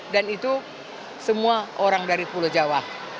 dan itu semua orang dari pulau jawa